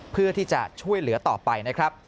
เพื่อที่จะช่วยเหลือต่อไปนะครับ